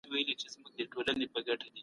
د بيان او نظر آزادي هر چا ته ورکړل سوې ده.